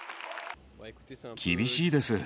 厳しいです。